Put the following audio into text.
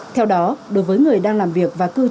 theo đó đối với người đang làm việc và kiểm soát